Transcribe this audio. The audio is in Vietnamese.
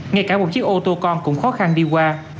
ngay cả một chiếc ô tô con cũng khó khăn đi qua